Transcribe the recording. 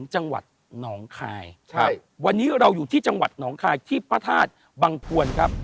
ใช่วันนี้เราอยู่ที่จังหวัดหนองคายที่ประธาตุบังพวนครับ